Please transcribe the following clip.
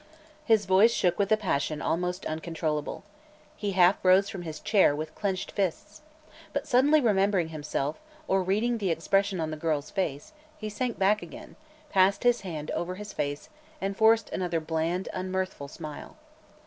His voice shook with a passion almost uncontrollable. He half rose from his chair, with clinched fists. But, suddenly remembering himself, or reading the expression on the girl's face, he sank back again, passed his hand over his face and forced another bland, unmirthful smile.